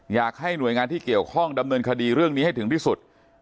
อยากให้หน่วยงานที่เกี่ยวข้องดำเนินคดีเรื่องนี้ให้ถึงที่สุด